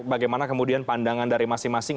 bagaimana kemudian pandangan dari masing masing